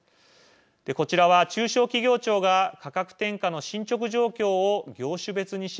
こちらは中小企業庁が価格転嫁の進捗状況を業種別に調べた結果です。